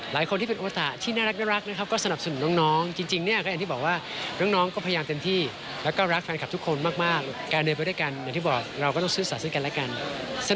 หลายคนที่เป็นโอตะที่น่ารักนะครับก็สนับสนุนน้องจริงเนี่ยก็อย่างที่บอกว่าน้องก็พยายามเต็มที่แล้วก็รักแฟนคลับทุกคนมากการเดินไปด้วยกันอย่างที่บอกเราก็ต้องซื่อสัตว์ซึ่งกันและกัน